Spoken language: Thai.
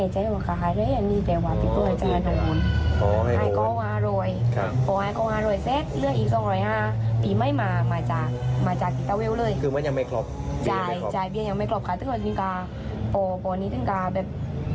จ่ายเบียนยังไม่กลับค่ะเต้นขนาดนี้การป่อนี้ก้าแบบ